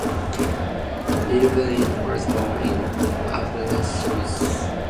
Llewellyn was born in Aberystwyth.